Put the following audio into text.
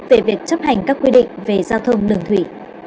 về việc chấp hành các quy định về giao thông đường thủy